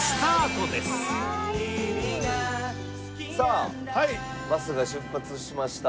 さあバスが出発しました。